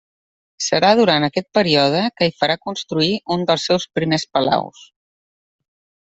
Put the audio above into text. Serà durant aquest període que hi farà construir un dels seus primers palaus.